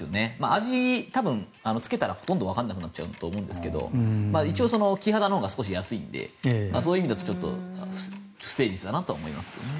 味は多分漬けたらほとんどわからなくなっちゃうと思うんですが一応、キハダのほうが少し安いのでそういう意味だと不誠実だと思いますけどね。